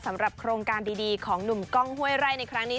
สำหรับโครงการดีของหนุ่มกล้องห้วยไร่ในครั้งนี้